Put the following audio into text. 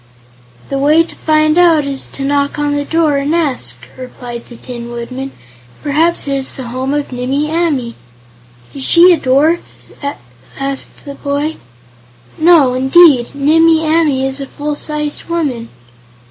"The way to find out is to knock on the door and ask," replied the Tin Woodman. "Perhaps it is the home of Nimmie Amee." "Is she a dwarf?" asked the boy. "No, indeed; Nimmie Amee is a full sized woman."